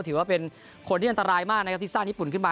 ถือว่าเป็นคนที่อันตรายมากนะครับที่สร้างญี่ปุ่นขึ้นมา